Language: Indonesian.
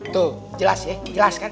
tuh jelas ya jelas kan